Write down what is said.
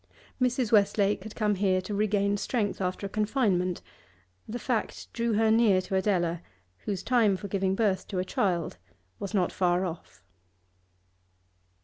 Mrs. Westlake had come here to regain strength after a confinement; the fact drew her near to Adela, whose time for giving birth to a child was not far off.